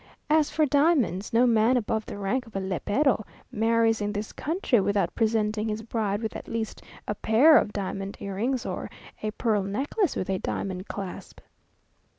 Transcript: As for diamonds, no man above the rank of a lépero marries in this country without presenting his bride with at least a pair of diamond earrings, or a pearl necklace with a diamond clasp.